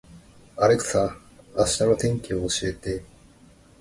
アレクサ、明日の天気を教えて